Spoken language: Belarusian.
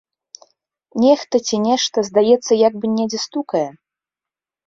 Нехта ці нешта, здаецца, як бы недзе стукае?